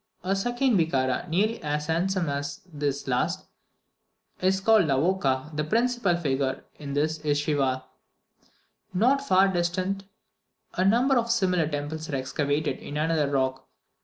A second vichara, nearly as handsome as this last, is called Laoka; the principal figure in this is Shiva. Not far distant, a number of similar temples are excavated in another rock.